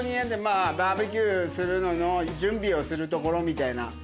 バーベキューするのの準備をする所みたいな。